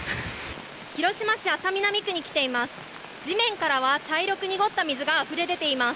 広島市安佐南区に来ています。